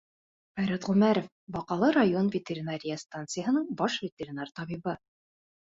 Айрат ҒҮМӘРОВ, Баҡалы район ветеринария станцияһының баш ветеринар табибы: